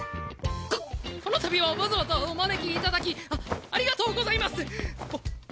ここの度はわざわざお招きいただきあありがとうございますっ。ぼ！